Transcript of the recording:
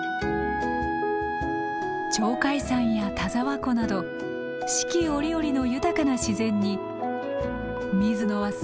鳥海山や田沢湖など四季折々の豊かな自然に水野はすっかり引き付けられていった。